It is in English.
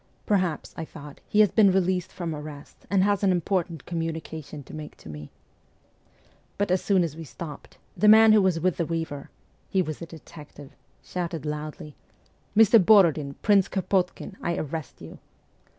'Perhaps,' I thought, 'he has been released from arrest, and has an important communication to make to me.' But as soon as we stopped, the man who was with the weaver he was a detective shouted loudly, 'Mr. Borodin, Prince Kropotkin, I arrest you